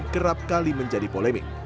kerap kali menjadi polemik